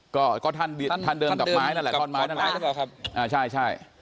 ก็ท่านเดิมกับไม้นั่นแหละท่อนไม้นั่นแหละ